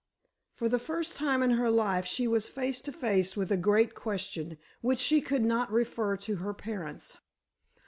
For the first time in her life she was face to face with a great question which she could not refer to her parents.